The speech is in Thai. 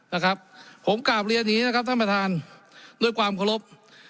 นะครับผมกลับเรียนหนีนะครับท่านประธานโดยความขอรพ